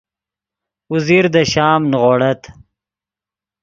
اوزیر دے شام نیغوڑت